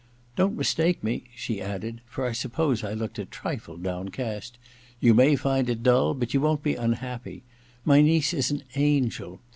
Don't mistake me,' she added, for I suppose I looked a trifle downcast ;* you may find it dull but you won't be unhappy. My niece is an angel.